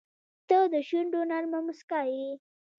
• ته د شونډو نرمه موسکا یې.